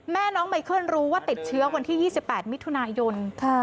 แม่น้องไมเคิลรู้ว่าติดเชื้อวันที่๒๘มิถุนายน